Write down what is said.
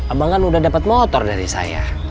abang kan udah dapat motor dari saya